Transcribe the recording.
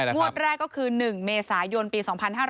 งวดแรกก็คือ๑เมษายนปี๒๕๕๙